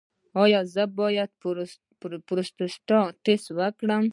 ایا زه باید د پروستات ټسټ وکړم؟